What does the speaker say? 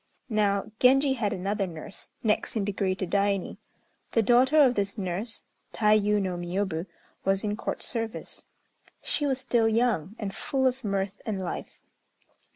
Now, Genji had another nurse, next in degree to Daini. The daughter of this nurse, Tayû no Miôbu, was in Court service. She was still young, and full of mirth and life.